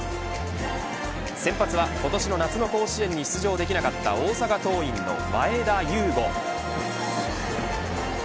先発は今年の夏の甲子園に出場できなかった大阪桐蔭の前田悠伍。